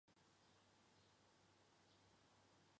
霍兰是一个位于美国阿肯色州福克纳县的城市。